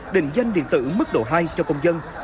định danh điện tử mức độ hai cho công dân